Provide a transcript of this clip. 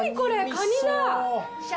カニだ！